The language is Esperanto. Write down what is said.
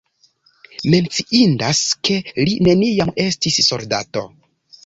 Menciindas, ke li neniam estis soldato.